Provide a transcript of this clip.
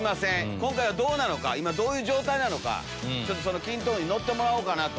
今回はどうなのか今どういう状態なのか筋斗雲に乗ってもらおうかなと。